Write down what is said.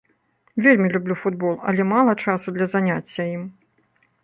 Вельмі люблю футбол, але мала часу для заняцця ім.